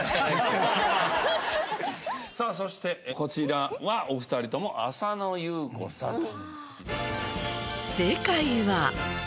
さあそしてこちらはお二人とも浅野ゆう子さんと。